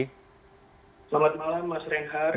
selamat malam mas rehar